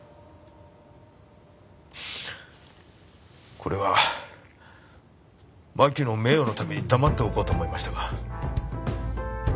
これはマキの名誉のために黙っておこうと思いましたが。